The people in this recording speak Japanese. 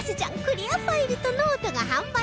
クリアファイルとノートが販売中